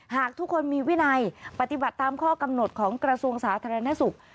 หากทุกคนมีวินัยปฏิบัติตามข้อกำหนดของกระทรวงสาธารณสุข